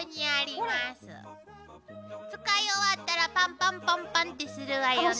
使い終わったらパンパンパンパンってするわよね。